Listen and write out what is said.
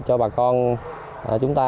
cho bà con chúng ta